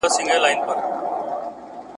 بې همتا عالم!